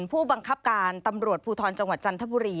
ผู้บังคับการตำรวจภูทรจังหวัดจันทบุรี